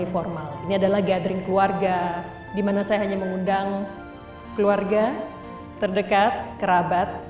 formal ini adalah gathering keluarga dimana saya hanya mengundang keluarga terdekat kerabat